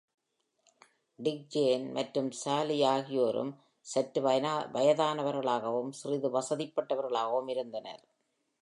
Tick, Jane மற்று Sally ஆகியோரும் சற்று வயதானவர்களாகவும் சிறிது வசதிப்பட்டவர்களாகவும் இருந்தனர்.